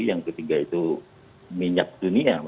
yang ketiga itu minyak dunia